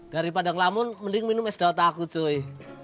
daripada ngelamun mending minum es dauta aku cuy